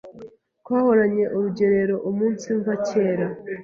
twahoranye Urugerero umunsiva kera